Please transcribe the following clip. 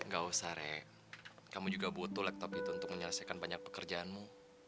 gak usah rek kamu juga butuh laptop itu untuk menyelesaikan banyak pekerjaanmu